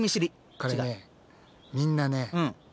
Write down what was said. これねみんなね植物